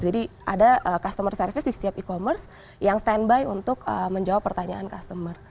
jadi ada customer service di setiap e commerce yang standby untuk menjawab pertanyaan customer